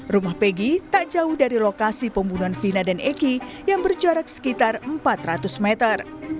rumah pegi tak jauh dari lokasi pembunuhan vina dan eki yang berjarak sekitar empat ratus meter